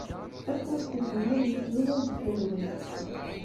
Afurk n uzemmur yettzumul-d talwit.